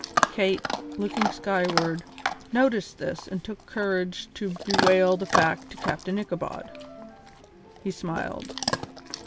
Kate, looking skyward, noticed this and took courage to bewail the fact to Captain Ichabod. He smiled.